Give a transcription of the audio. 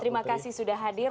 terima kasih sudah hadir